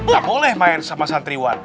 tak boleh main sama santriwan